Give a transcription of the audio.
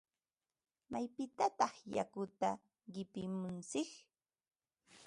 ¿Maypitataq yakuta qipimuntsik?